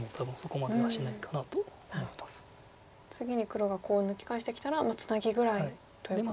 次に黒がコウを抜き返してきたらツナギぐらいということですか。